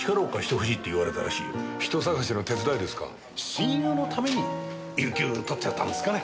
親友のために有給取ってやったんですかね。